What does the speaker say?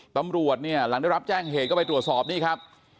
ตำรวจเนี่ยหลังได้รับแจ้งเหตุก็ไปตรวจสอบนี่ครับ